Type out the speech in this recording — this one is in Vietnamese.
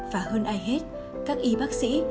và hơn ai hết các y bác sĩ